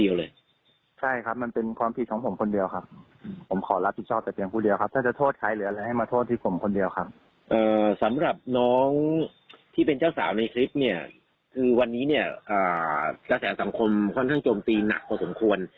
วันนี้เนี่ยอ่ากระแสงสังคมค่อนข้างโจมตีหนักกว่าสมควร